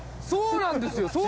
そうなんですよ！